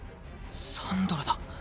サンドラだ。